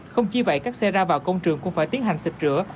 không chỉ vậy các xe ra vào công trường cũng phải tiến hành xịt sữa